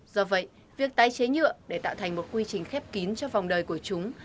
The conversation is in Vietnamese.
do vậy việc tái chế nhựa để tạo thành một quy trình khép kín cho vòng đời của chúng